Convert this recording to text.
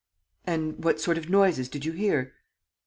"And what sort of noises did you hear?"